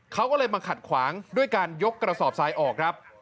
เขาก็เลยมาขัดขวางด้วยการยกกระสอบทรายออกครับ